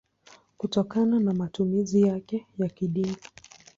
kutokana na matumizi yake ya kidini.